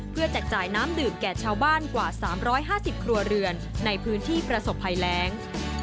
แจกจ่ายน้ำดื่มแก่ชาวบ้านกว่า๓๕๐ครัวเรือนในพื้นที่ประสบภัยแรง